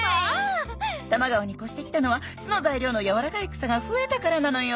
多摩川に越してきたのは巣の材料のやわらかい草が増えたからなのよ。